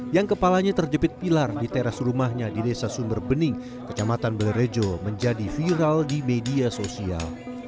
yang kepalanya terjepit pilar di teras rumahnya di desa sumber bening kecamatan belerejo menjadi viral di media sosial